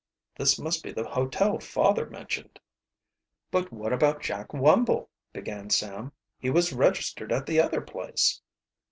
"This must be the hotel father mentioned." "But what about Jack Wumble?" began Sam. "He was registered at the other place."